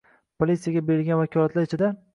politsiyaga berilgan vakolatlar ichida